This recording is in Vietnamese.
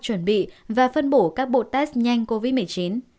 chuẩn bị và phân bổ các bộ test nhanh covid một mươi chín